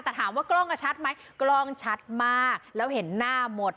แต่ถามว่ากล้องก็ชัดไหมกล้องชัดมากแล้วเห็นหน้าหมด